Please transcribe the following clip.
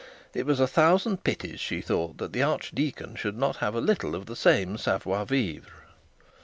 It was a thousand pities, she thought, that the archdeacon should not have a little of the same savoir vivre.